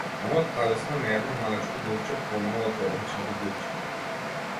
Мојот талисман е едно малечко глувче, помало од обичните глувчиња.